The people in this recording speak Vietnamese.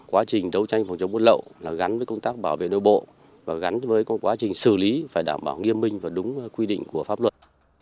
quá trình đấu tranh phòng chống buôn lậu gắn với công tác bảo vệ đôi bộ và gắn với quá trình xử lý phải đảm bảo nghiêm minh và đúng quy định của pháp luật